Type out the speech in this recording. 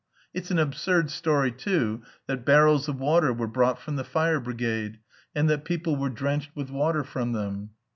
It's an absurd story, too, that barrels of water were brought from the fire brigade, and that people were drenched with water from them.